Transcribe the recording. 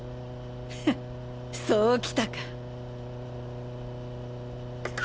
フッそう来たか！